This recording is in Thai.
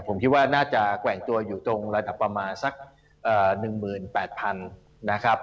ผมคิดว่าน่าจะแกว่งตัวอยู่ตรงระดับประมาณสัก๑๘๐๐๐นะครับ